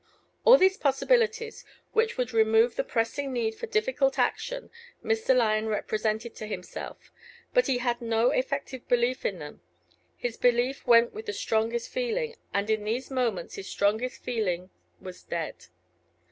All these possibilities, which would remove the pressing need for difficult action, Mr. Lyon represented to himself, but he had no effective belief in them; his belief went with his strongest feeling, and in these moments his strongest feeling was dead.